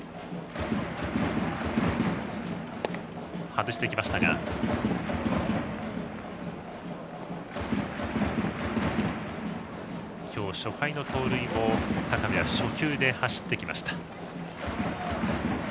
外していきましたが今日初回の盗塁も高部は初球で走ってきました。